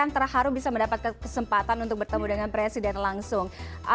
terharu bisa mendapat kesempatan untuk bertemu dengan presiden langsung